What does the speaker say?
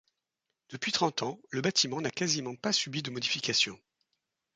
Depuis trente ans, le bâtiment n'a quasiment pas subi de modifications.